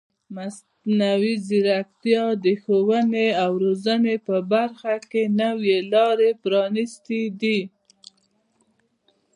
مصنوعي ځیرکتیا د ښوونې او روزنې په برخه کې نوې لارې پرانیستې دي.